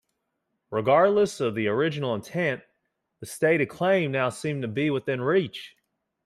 Regardless of the original intent, the stated claim now seemed to be within reach.